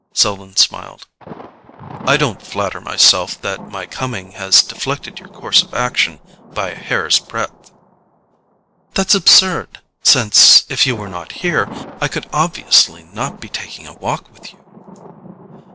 Selden smiled. "I don't flatter myself that my coming has deflected your course of action by a hair's breadth." "That's absurd—since, if you were not here, I could obviously not be taking a walk with you."